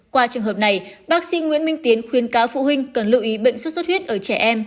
qua trường hợp này bác sĩ nguyễn minh tiến khuyên cáo phụ huynh cần lưu ý bệnh xuất xuất huyết ở trẻ em